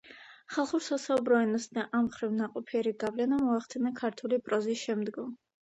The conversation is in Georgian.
ხალხურ სასაუბრო ენას და ამ მხრივ ნაყოფიერი გავლენა მოახდინა ქართული პროზის შემდგომ